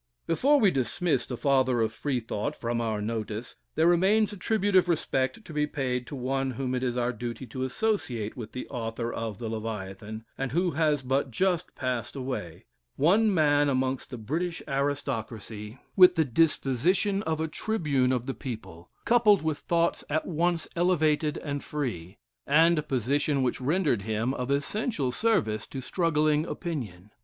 Before we dismiss the father of Freethought from our notice, there remains a tribute of respect to be paid to one whom it is our duty to associate with the author of the "Leviathan," and who has but just passed away one man amongst the British aristocracy with the disposition of a tribune of the people, coupled with thoughts at once elevated and free, and a position which rendered him of essential service to struggling opinion.